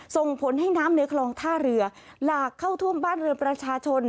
ส่งผลให้น้ำในคลองท่าเรือหลากเข้าท่วมบ้านเรือนประชาชน